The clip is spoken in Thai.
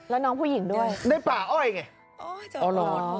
แล้วน้องผู้หญิงด้วยในป่าอ้อยไง